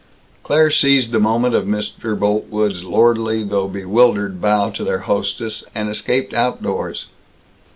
Claire seized the moment of Mr. Boltwood's lordly though bewildered bow to their hostess, and escaped outdoors.